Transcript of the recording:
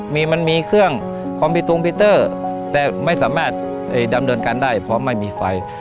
มีมันมีเครื่องคอมพิวตุงพิเตอร์แต่ไม่สามารถดำเนินการได้เพราะไม่มีไฟ